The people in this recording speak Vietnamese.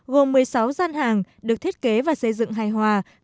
gồm một mươi sáu gian hàng được thiết kế và xây dựng hài hòa